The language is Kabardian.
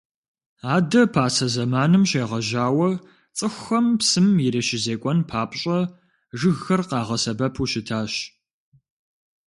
Адэ пасэ зэманым щегъэжьауэ цӏыхухэм псым ирищызекӏуэн папщӏэ жыгхэр къагъэсэбэпу щытащ.